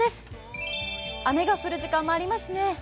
雨が降る時間もありますね。